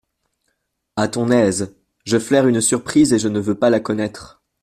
À ton aise… je flaire une surprise et je ne veux pas la connaître…